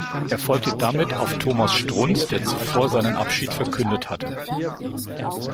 Er folgte damit auf Thomas Strunz, der zuvor seinen Abschied verkündet hatte.